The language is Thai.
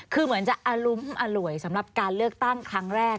คือเหมือนจะอรุ้มอร่วยสำหรับการเลือกตั้งครั้งแรก